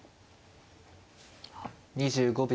２５秒。